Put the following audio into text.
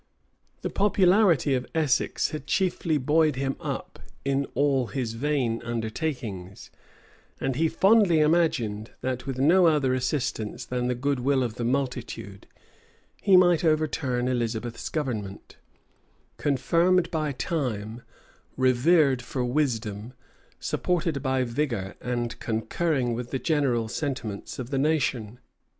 The popularity of Essex had chiefly buoyed him up in all his vain undertakings; and he fondly imagined, that, with no other assistance than the good will of the multitude, he might overturn Elizabeth's government, confirmed by time, revered for wisdom, supported by vigor, and concurring with the general sentiments of the nation.